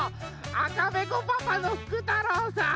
あかべこパパのふくたろうさん。